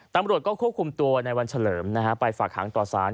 ตำรวจก็ควบคุมตัวในวันเฉลิมไปฝากหางต่อสาร